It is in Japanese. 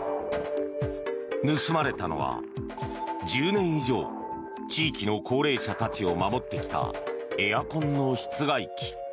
盗まれたのは１０年以上地域の高齢者たちを守ってきたエアコンの室外機。